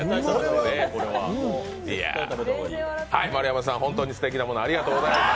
はい、丸山さん、本当にすてきなもの、ありがとうございました。